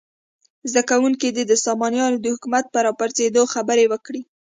زده کوونکي دې د سامانیانو د حکومت په راپرزېدو خبرې وکړي.